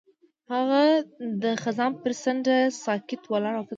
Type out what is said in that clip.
هغه د خزان پر څنډه ساکت ولاړ او فکر وکړ.